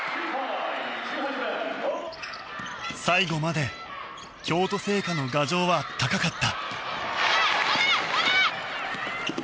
最後まで京都精華の牙城は高かった。